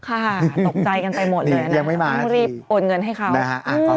ค่ะตกใจกันไปหมดเลยนะต้องรีบโอนเงินให้เขานะฮะ